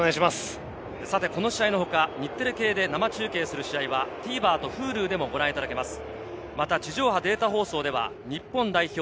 この試合の他、日テレ系で生中継する試合はＴＶｅｒとＨｕｌｕでもご覧いただけます。